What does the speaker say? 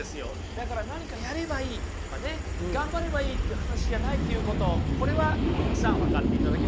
だから何かやればいいとかね頑張ればいいっていう話じゃないっていうことをこれは三福さん分かっていただけましたでしょうか？